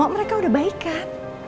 mereka udah baik kan